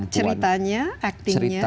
ceritanya actingnya atau